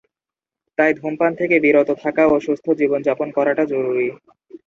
তাই ধূমপান থেকে বিরত থাকা ও সুস্থ জীবনযাপন করাটা জরুরি।